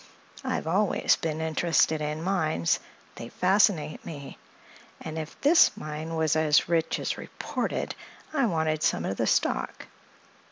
I've always been interested in mines; they fascinate me; and if this mine was as rich as reported I wanted some of the stock.